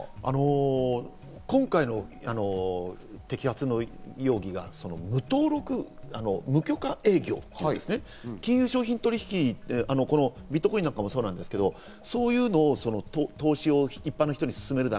今回の摘発の容疑が無登録、無許可営業、金融商品取引ってビットコインなんかもそうですけど、そういうのを投資を一般の人に勧めるだ